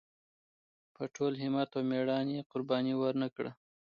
په ټول همت او مېړانۍ یې قرباني ونکړه.